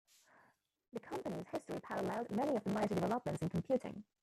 The company's history paralleled many of the major developments in computing.